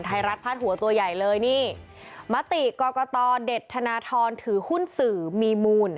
ไทยรัฐพาดหัวตัวใหญ่เลยนี่มติกรกตเด็ดธนทรถือหุ้นสื่อมีมูล